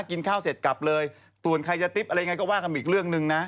กินข้าวเสร็จกลับเลยส่วนใครจะติ๊บอะไรยังไงก็ว่ากันอีกเรื่องหนึ่งนะ